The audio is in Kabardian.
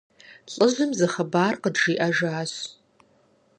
ЛӀыжьым зы хъыбар къыджиӀэжащ.